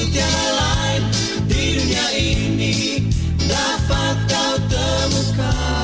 tiada lain di dunia ini dapat kau temukan